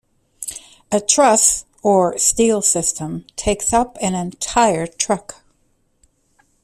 A truss or steel system takes up an entire truck.